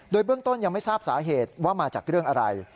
โดยเบื้องต้นยังไม่ทราบสาเหตุว่ามาจากเรื่องอะไร